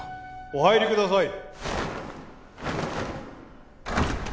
お入りください。